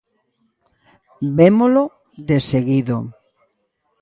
Vémolo deseguido.